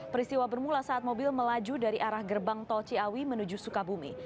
peristiwa bermula saat mobil melaju dari arah gerbang tol ciawi menuju sukabumi